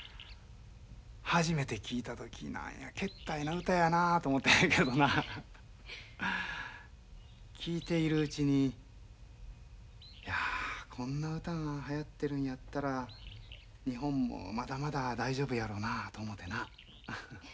初めて聴いた時何やけったいな歌やなと思うたんやけどな聴いているうちにいやこんな歌がはやってるんやったら日本もまだまだ大丈夫やろなあと思うてな。